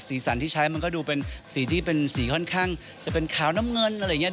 สันที่ใช้มันก็ดูเป็นสีที่เป็นสีค่อนข้างจะเป็นขาวน้ำเงินอะไรอย่างนี้